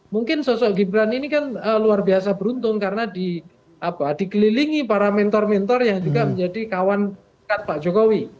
mungkin sosok gibran ini kan luar biasa beruntung karena dikelilingi para mentor mentor yang juga menjadi kawan dekat pak jokowi